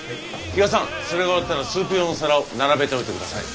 比嘉さんそれが終わったらスープ用の皿を並べておいてください。